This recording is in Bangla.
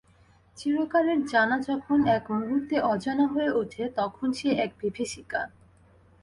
চিরকালের জানা যখন এক মুহূর্তে অজানা হয়ে ওঠে তখন সে এক বিভীষিকা।